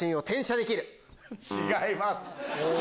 違います。